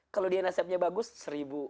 kalau dia nasibnya bagus seribu